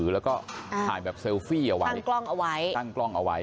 แล้วก็ถ่ายแบบเซลฟี่เอาไว้ตั้งกล้องเอาไว้